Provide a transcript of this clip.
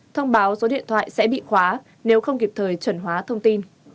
thông báo số điện thoại sẽ bị khóa nếu không kịp thời chuẩn hóa thông tin